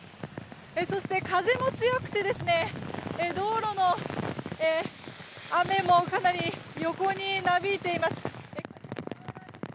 そして、風も強くて道路の雨もかなり横になびいています。